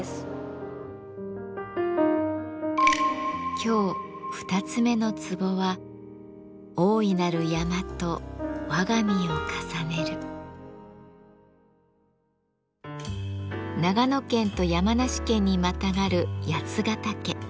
今日二つ目のツボは長野県と山梨県にまたがる八ヶ岳。